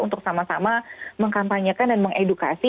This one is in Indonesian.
untuk sama sama mengkampanyekan dan mengedukasi